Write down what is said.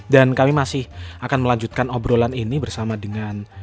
dan kami masih akan melanjutkan obrolan ini bersama dengan